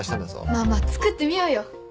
まあまあ作ってみようよ。